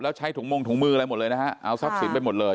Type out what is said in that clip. แล้วใช้ถุงมงถุงมืออะไรหมดเลยนะฮะเอาทรัพย์สินไปหมดเลย